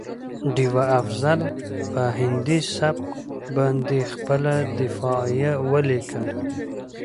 ډيوه افضل په هندي سبک باندې خپله دفاعیه ولیکه